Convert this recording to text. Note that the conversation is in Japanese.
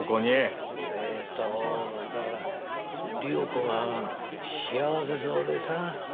えっとだから理代子が幸せそうでさ。